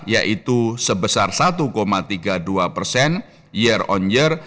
yaitu sebesar satu tiga puluh dua persen year on year